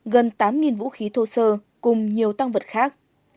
gần tám vũ khí thô sơ cùng nhiều tăng vật khác